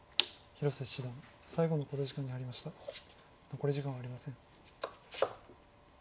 残り時間はありません。